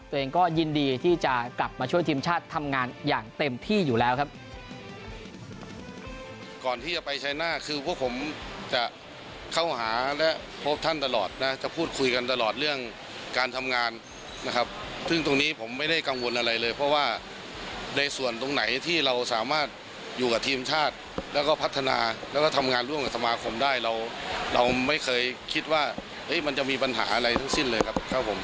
ตัวเองก็ยินดีที่จะกลับมาช่วยทีมชาติทำงานอย่างเต็มที่อยู่แล้วครับ